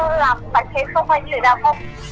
nên là bạn có làm bạch thế xong hay như thế nào không